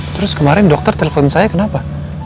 terus kemarin dokter telepon saya kenapa